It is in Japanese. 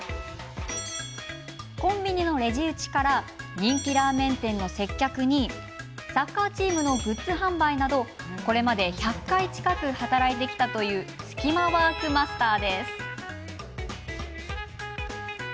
コンビニのレジ打ちから人気ラーメン店の接客にサッカーチームのグッズ販売などこれまで１００回近く働いてきたというスキマワークマスターです。